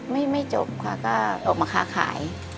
ไม่จบค่ะก็ออกมาค้าขาย